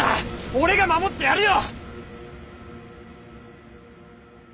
俺が守ってやるよ！